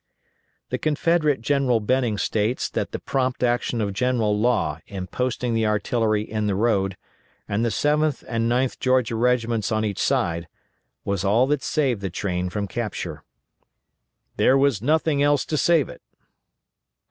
The Confederate General Benning states that the prompt action of General Law in posting the artillery in the road and the 7th and 9th Georgia regiments on each side, was all that saved the train from capture. "There was nothing else to save it."